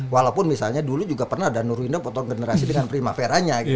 walaupun misalnya dulu juga pernah ada nurwindo potong generasi dengan primaveranya gitu